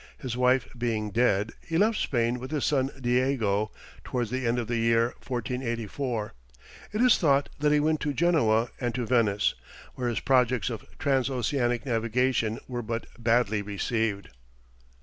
His wife being dead, he left Spain with his son Diego, towards the end of the year 1484. It is thought that he went to Genoa and to Venice, where his projects of transoceanic navigation were but badly received.